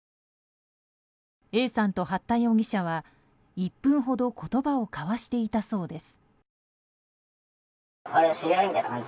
Ａさんと八田容疑者は、１分ほど言葉を交わしていたそうです。